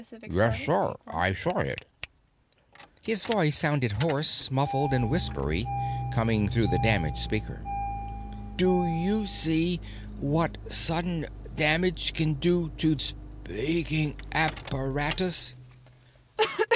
"Yes, sir. I saw it." His voice sounded hoarse, muffled, and whispery coming through the damaged speaker. "Do you see what sudden damage can do to speaking apparatus?"